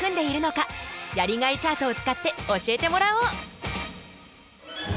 やりがいチャートを使って教えてもらおう。